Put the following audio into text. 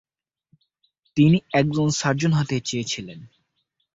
তিনি একজন সার্জন হতে চেয়েছিলেন।